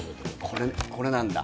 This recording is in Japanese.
これなんだ。